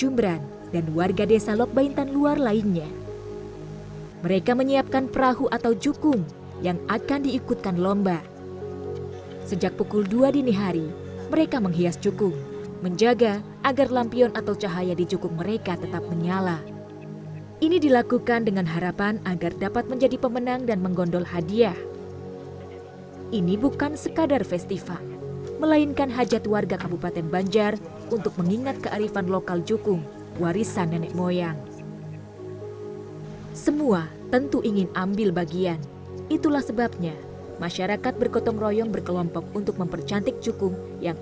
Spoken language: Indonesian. melalui makyi pelajaran untuk rekam apo di mortal ter earliest country